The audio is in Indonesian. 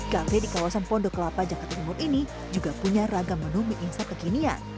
kafe di kawasan pondok kelapa jakarta timur ini juga punya ragam menu mie insap kekinian